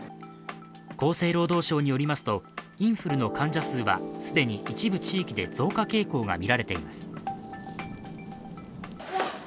厚労省によりますと、インフルの患者数は既に一部地域で増加傾向がみられています。